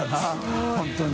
本当に。